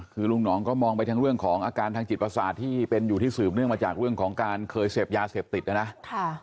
คือลุงหนองก็มองไปทั้งเรื่องของอาการทางจิตประสาทที่เป็นอยู่ที่สืบเนื่องมาจากเรื่องของการเคยเสพยาเสพติดนะนะ